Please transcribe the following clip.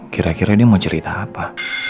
kira kira ini mau cerita apa